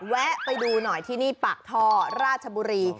แวะไปดูหน่อยที่นี่ปากท่อราชบุรี